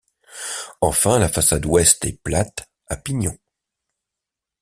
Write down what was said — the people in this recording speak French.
Enfin, la façade Ouest est plate, à pignon.